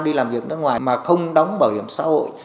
đi làm việc nước ngoài mà không đóng bảo hiểm xã hội